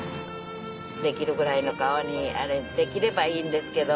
できるぐらい川にできればいいんですけど。